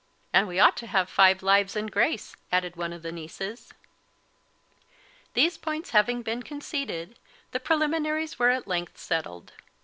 "And we ought to have five lives and grace," added one of the nieces. These points having been conceded, the preliminaries were at length settled.